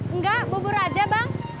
enggak bubur aja bang